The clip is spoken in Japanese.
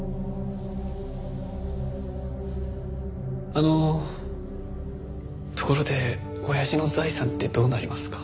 あのところでおやじの財産ってどうなりますか？